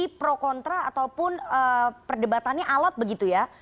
jadi pro kontra ataupun perdebatannya alot begitu ya